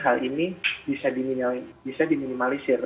hal ini bisa diminimalisir